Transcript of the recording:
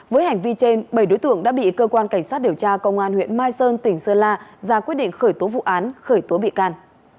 với hành vi trên bảy đối tượng đã bị cơ quan cảnh sát điều tra công an huyện mai sơn tỉnh sơn la ra quyết định khởi tố vụ án khởi tố bị can